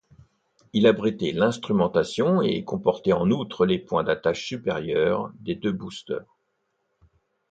Il abritait l'instrumentation et comportait en-outre les points d'attache supérieurs des deux boosters.